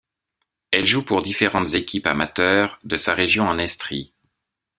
Elle joue pour différentes équipes amateures de sa région en Estrie.